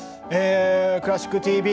「クラシックＴＶ」